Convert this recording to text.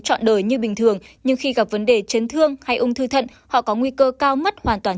trọn đời như bình thường nhưng khi gặp vấn đề chấn thương hay ung thư thận họ có nguy cơ cao mất hoàn toàn